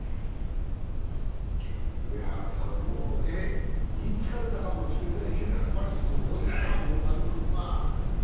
上原さん、もう言い疲れたかもしれないけど、やっぱりすごいな、大谷君は。